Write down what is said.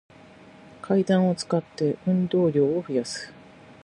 階段を使って、運動量を増やす